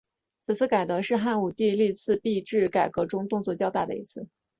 此次改革是汉武帝历次币制改革中动作较大的一次。